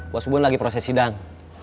bos bubun lagi proses sidang